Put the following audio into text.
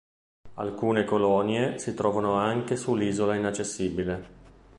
Alcune colonie si trovano anche sull'Isola Inaccessibile.